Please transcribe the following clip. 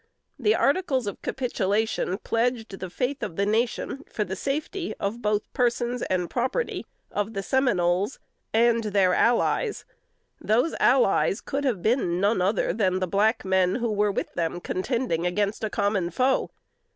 The articles of capitulation pledged the faith of the nation for the safety of both persons and property of the "Seminoles and their allies." Those "allies" could have been no other people than the black men who were with them contending against a common foe.